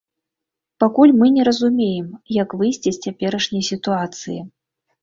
Пакуль мы не разумеем, як выйсці з цяперашняй сітуацыі.